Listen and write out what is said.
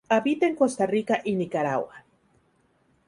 Habita en Costa Rica y Nicaragua.